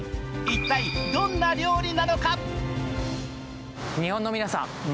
一体どんな料理なのか？